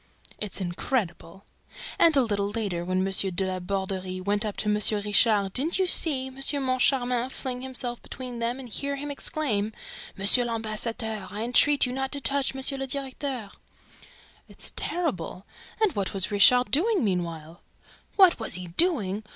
"It's incredible!" "And, a little later, when M. de La Borderie went up to M. Richard, didn't you see M. Moncharmin fling himself between them and hear him exclaim, 'M. l'Ambassadeur I entreat you not to touch M. le Directeur'?" "It's terrible! ... And what was Richard doing meanwhile?" "What was he doing?